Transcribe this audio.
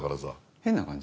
変な感じ？